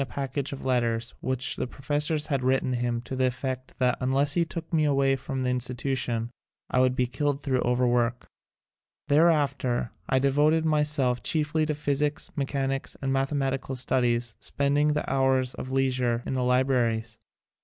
(Continued from page 905) the professors had written him to the effect that unless he took me away from the In stitution I would be killed thru overwork. Thereafter I devoted myself chiefly to phys ics, mechanics and mathematical studies, spending the hours of leisure in the libra ries.